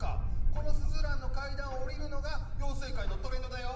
このスズランの階段を下りるのが妖精界のトレンドだよ。